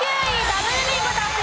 ダブルビンゴ達成。